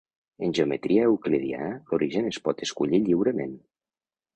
En geometria euclidiana, l'origen es pot escollir lliurement.